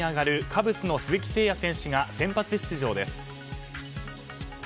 カブスの鈴木誠也選手が先発出場です。